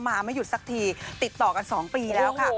มาไม่หยุดสักทีติดต่อกัน๒ปีแล้วค่ะ